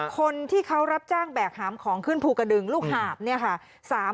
คนที่เขารับจ้างแบกหามของขึ้นภูกระดึงลูกหาบเนี่ยค่ะ